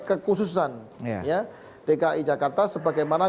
kekhususan dki jakarta sebagaimana